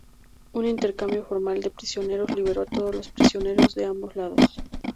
Un intercambio formal de prisioneros liberó a todos los prisioneros de ambos lados.